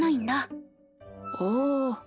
ああ。